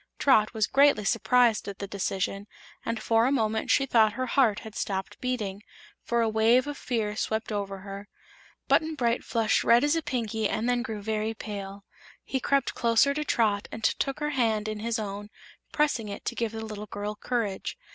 Trot was greatly surprised at the decision and for a moment she thought her heart had stopped beating, for a wave of fear swept over her. Button Bright flushed red as a Pinky and then grew very pale. He crept closer to Trot and took her hand in his own, pressing it to give the little girl courage.